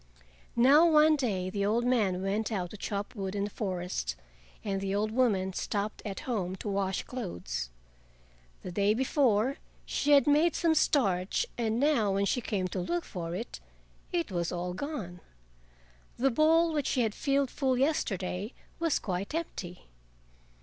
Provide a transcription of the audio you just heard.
Now one day the old man went out to chop wood in the forest, and the old woman stopped at home to wash clothes. The day before, she had made some starch, and now when she came to look for it, it was all gone; the bowl which she had filled full yesterday was quite empty.